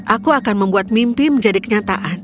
aku akan membuat mimpi menjadi kenyataan